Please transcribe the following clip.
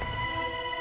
aku yang ngalah